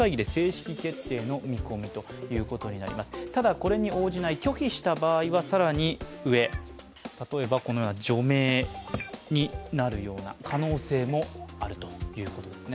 これに応じない、拒否した場合、更に上、例えばこのような除名になるような可能性もあるということですね。